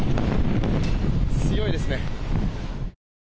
強いですね。